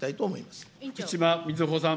福島みずほさん。